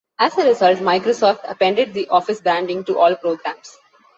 As a result, Microsoft appended the Office branding to all programs.